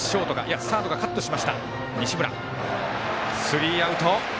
スリーアウト。